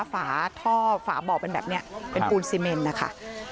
ฝาท่อฝาเบาะเป็นแบบเนี่ยเป็นปูนซิเมนต์นะคะ